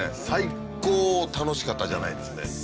最高楽しかったじゃないですね